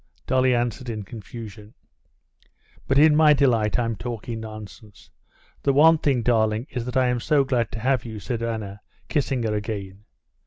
Dolly answered in confusion. "But in my delight I'm talking nonsense. The one thing, darling, is that I am so glad to have you!" said Anna, kissing her again.